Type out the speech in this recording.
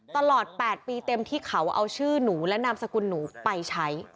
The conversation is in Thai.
ตลอด๘ปีเต็มที่เขาเอาชื่อหนูและนามสกุลหนูไปใช้